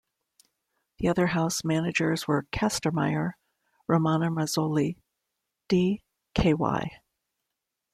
The other House managers were Kastenmeier; Romano Mazzoli, D-Ky.